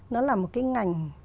nó là một cái ngành